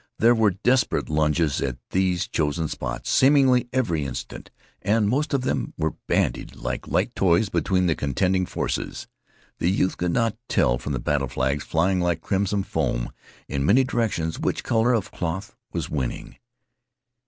There were desperate lunges at these chosen spots seemingly every instant, and most of them were bandied like light toys between the contending forces. The youth could not tell from the battle flags flying like crimson foam in many directions which color of cloth was winning.